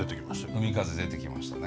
海風出てきましたね。